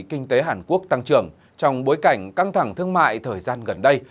kinh tế hàn quốc tăng trưởng trong bối cảnh căng thẳng thương mại thời gian gần đây